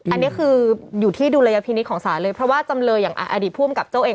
อันนี้คืออยู่ที่ดุลยพินิษฐของศาลเลยเพราะว่าจำเลยอย่างอดีตผู้อำกับโจ้เอง